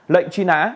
lệnh truy nã